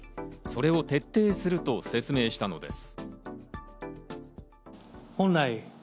それを徹底すると説明したのです。